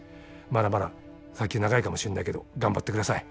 まだまだ先は長いかもしんないけど頑張ってください。